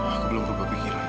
aku belum berpikiran